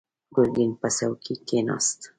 ګرګين پر څوکۍ کېناست.